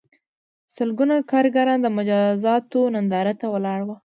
سلګونه کارګران د مجازاتو نندارې ته ولاړ وو